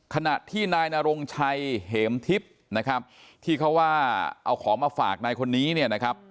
ขนาดที่นายนาโรงชัยเห็มทิศที่เขาว่าเอาของมาฝากนายคนนี้นะครับ